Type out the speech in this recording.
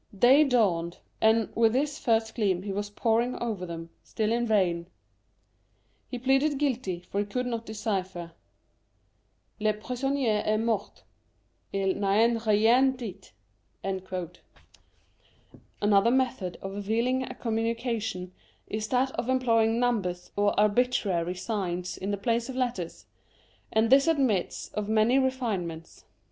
Day dawned, and, with its first gleam, he was poring over them : still in vain. He pleaded guilty, for he could not decipher " Le prisonnier est mort ; il tia rien dit^ 22 Curiosities of Cypher Another method of veiling a communication is that of employing numbers or arbitrary signs in the place of letters, and this admits of many refinements.